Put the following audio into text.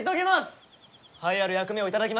栄えある役目を頂きました。